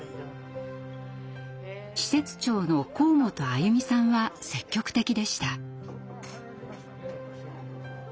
施設長の河本歩美さんは積極的でした。